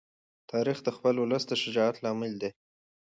تاریخ د خپل ولس د شجاعت لامل دی.